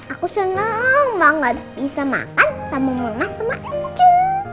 aku seneng banget bisa makan sama mama sama anju